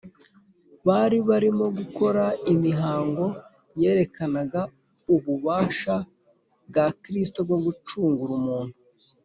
bari barimo gukora imihango yerekanaga ububasha bwa kristo bwo gucungura umuntu,